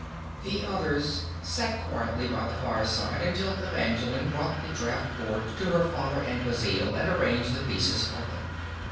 The others sat quietly by the fireside until Evangeline brought the draught board to her father and Basil and arranged the pieces for them.